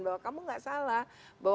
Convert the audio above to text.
bahwa kamu tidak salah